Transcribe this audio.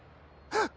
あっ！